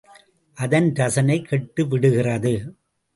அதன் ரசனை கெட்டு விடுகிறது.